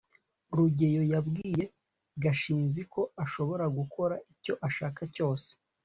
rugeyo yabwiye gashinzi ko ashobora gukora icyo ashaka cyose